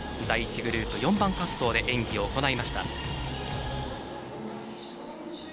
第１グループ４番滑走で演技を行いました。